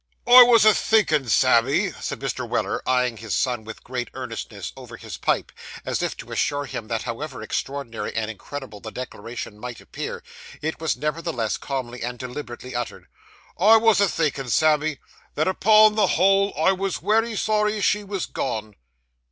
'I wos a thinkin', Sammy,' said Mr. Weller, eyeing his son, with great earnestness, over his pipe, as if to assure him that however extraordinary and incredible the declaration might appear, it was nevertheless calmly and deliberately uttered. 'I wos a thinkin', Sammy, that upon the whole I wos wery sorry she wos gone.